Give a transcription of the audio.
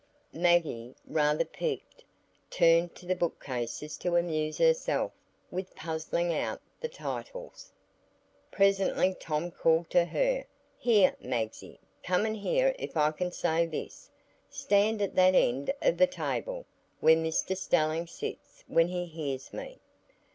Maggie, rather piqued, turned to the bookcases to amuse herself with puzzling out the titles. Presently Tom called to her: "Here, Magsie, come and hear if I can say this. Stand at that end of the table, where Mr Stelling sits when he hears me."